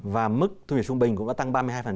và mức thu nhập trung bình cũng đã tăng ba mươi hai